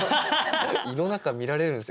胃の中見られるんすよ？